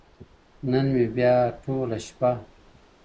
نن مي بيا ټوله شپه؛